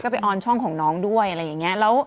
ไปออนช่องของน้องด้วยอะไรอย่างนี้